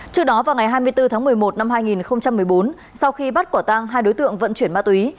trước đó vào ngày hai mươi bốn tháng một mươi một năm hai nghìn một mươi bốn sau khi bắt quả tang hai đối tượng vận chuyển ma túy